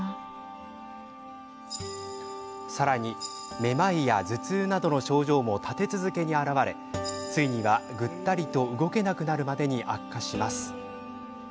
さらに、めまいや頭痛などの症状も立て続けに現れついには、ぐったりと動けなくなるまでに悪化します。